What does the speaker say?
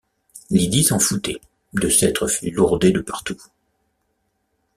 Lydie s’en foutait, de s’être fait lourder de partout.